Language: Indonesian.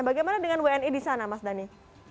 bagaimana dengan wni di sana mas dhani